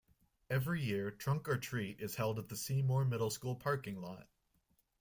Every year trunk or treat is held at the Seymour Middle School parking lot.